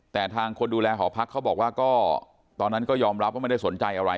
แต่ทางคนดูแลหอพักเขาบอกว่าก็ตอนนั้นก็ยอมรับว่าไม่ได้สนใจอะไร